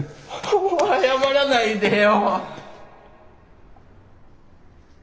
謝らないでよ！